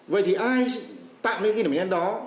vậy thì ai tạm những điểm đen đó